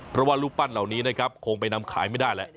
เพราะว่ารูปปั้นเหล่านี้นะครับคงไปนำขายไม่ได้แล้ว